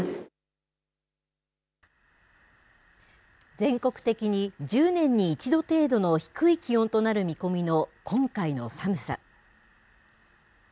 全国的に１０年に一度程度の低い気温となる見込みの今回の寒さ。